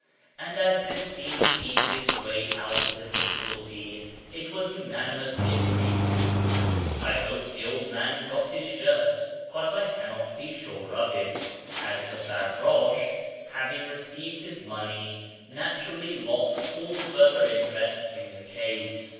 And as this seemed the easiest way out of the difficulty, it was unanimously agreed to. I hope the old man got his shirt, but I cannot be sure of it, as t\\Q farrdsh, having received his money, naturally lost all further interest in the case.